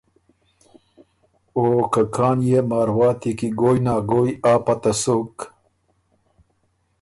او که کان يې مارواتی کی ګوی نا ګوی آ پته سُک